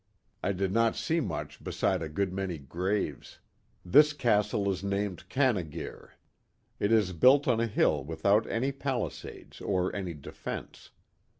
I did not see much beside a good many graves. This Castle is named Canagere. It is built on a hill without any palisades or any defense.